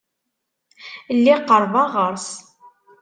Lliɣ qerbeɣ ɣer-s.